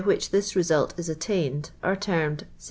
ich thin r sult i.s attain d are t«Tnied " y